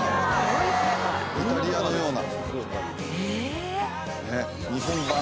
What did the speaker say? イタリアのような。